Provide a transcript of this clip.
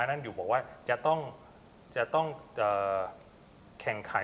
ยังบอกว่าจะต้องแข่งขาย